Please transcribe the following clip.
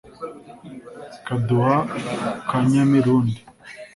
Kaduha ka Nyamirundi